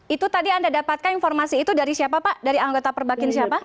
itu tadi anda dapatkan informasi itu dari siapa pak dari anggota perbakin siapa